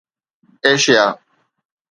Asia